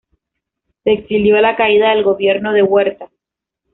Se exilió a la caída del gobierno de Huerta.